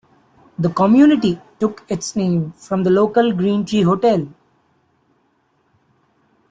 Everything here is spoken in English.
The community took its name from the local Green Tree Hotel.